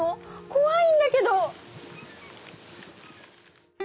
こわいんだけど！